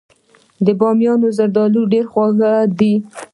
د بامیان زردالو ډیر خواږه دي.